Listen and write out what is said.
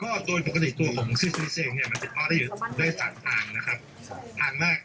ก็โดยปกติตัวของซิฟิลิสเองเนี่ยมันจะต้องได้อยู่ด้วย๓ทางนะครับ